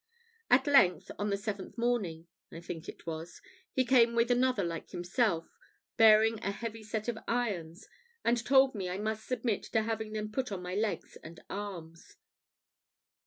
At length, on the seventh morning, I think it was, he came with another like himself, bearing a heavy set of irons, and told me I must submit to having them put on my legs and arms.